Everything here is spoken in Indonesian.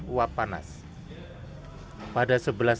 kubah lava ini juga menyebabkan kebencanaan geologi dan penyelidikan